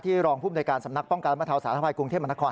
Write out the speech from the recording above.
ที่รองผู้บริการสำนักป้องการมะเทาสาธารณภายกรุงเทพมนธควัน